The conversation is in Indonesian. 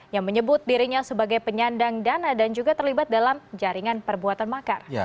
yang menyebut dirinya sebagai penyandang dana dan juga terlibat dalam jaringan perbuatan makar